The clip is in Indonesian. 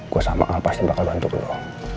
gue sama al pasti bakal bantu lo